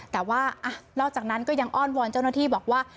แต่ว่านอกจากนั้นก็ยังอ้อนวอนเจ้าหน้าที่บอกว่า